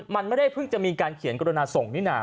มันไม่ได้เพิ่งจะมีการเขียนกรณาส่งนี่นา